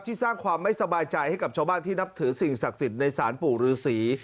สร้างความไม่สบายใจให้กับชาวบ้านที่นับถือสิ่งศักดิ์สิทธิ์ในศาลปู่ฤษี